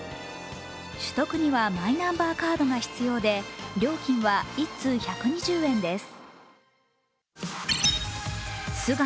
取得にはマイナンバーカードが必要で、料金は１通１２０円です。